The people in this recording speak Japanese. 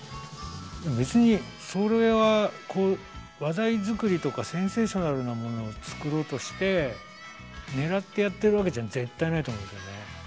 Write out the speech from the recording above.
別にそれは話題作りとかセンセーショナルなものを作ろうとして狙ってやってるわけじゃ絶対ないと思うんですよね。